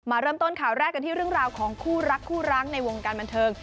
เริ่มต้นข่าวแรกกันที่เรื่องราวของคู่รักคู่ร้างในวงการบันเทิง